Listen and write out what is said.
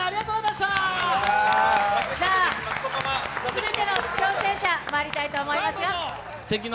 続いての挑戦者まいりたいと思いますよ。